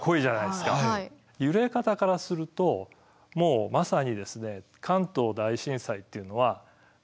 揺れ方からするともうまさにえ。